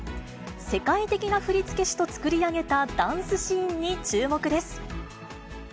世界的な振付師と作り上げたダンスシーンに注目です。